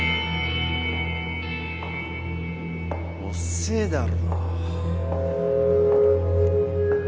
遅えだろ！